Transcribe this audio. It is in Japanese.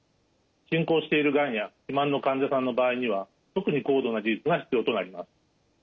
進行しているがんや肥満の患者さんの場合には特に高度な技術が必要となります。